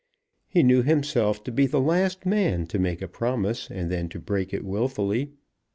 He knew himself to be the last man to make a promise, and then to break it wilfully.